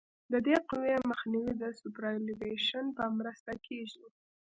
د دې قوې مخنیوی د سوپرایلیویشن په مرسته کیږي